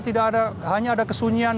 tidak ada hanya ada kesunyian